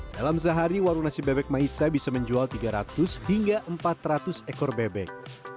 dalam sehari warung nasi bebek maisa bisa menjual tiga ratus hingga empat ratus ekor bebek